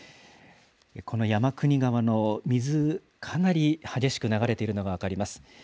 この山国川の水、かなり激しく流れているのが分かります。